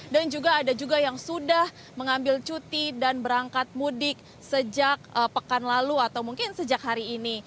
dan juga ada yang sudah mengambil cuti dan berangkat mudik sejak pekan lalu atau mungkin sejak hari ini